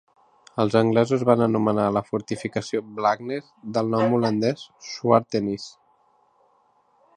Els anglesos van anomenar la fortificació "Blackness" del nom holandès "Swartenisse".